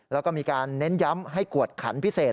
แล้วก็มีการเน้นย้ำให้กวดขันพิเศษ